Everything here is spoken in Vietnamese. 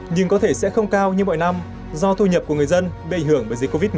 nhưng có thể sẽ không cao như mọi năm do thu nhập của người dân bị ảnh hưởng bởi dịch covid một mươi chín